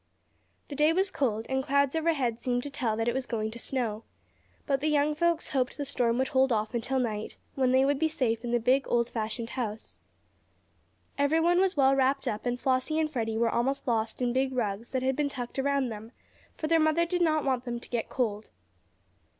The day was cold, and clouds overhead seemed to tell that it was going to snow. But the young folks hoped the storm would hold off until night, when they would be safe in the big, old fashioned farmhouse. Everyone was well wrapped up, and Flossie and Freddie were almost lost in big rugs that had been tucked around them, for their mother did not want them to get cold.